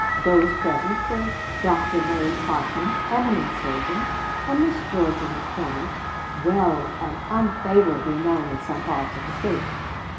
Those present were Dr. Murray Parkman, eminent surgeon, and Miss Georgia McCormick, well and unfavourably known in some parts of the city.